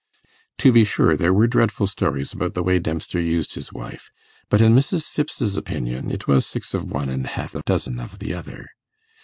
To be sure, there were dreadful stories about the way Dempster used his wife; but in Mrs. Phipps's opinion, it was six of one and half a dozen of the other.